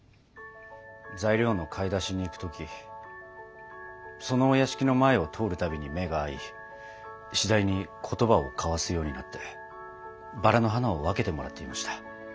材料の買い出しに行く時そのお屋敷の前を通るたびに目が合いしだいに言葉を交わすようになってバラの花を分けてもらっていました。